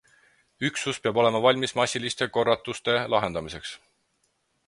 Üksus peab olema valmis massiliste korratuste lahendamiseks.